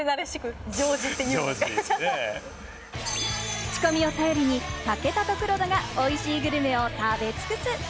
クチコミを頼りに武田と黒田がおいしいグルメを食べ尽くす！